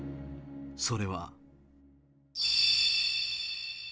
それは。